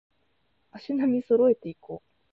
足並み揃えていこう